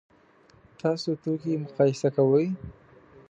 تاسو توکي مقایسه کوئ؟